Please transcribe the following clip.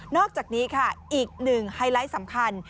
อกจากนี้ค่ะอีกหนึ่งไฮไลท์สำคัญ